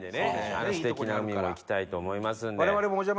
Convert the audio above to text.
「あの素敵な海も行きたいと思いますんで」